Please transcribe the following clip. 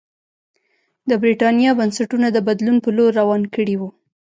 د برېټانیا بنسټونه د بدلون په لور روان کړي وو.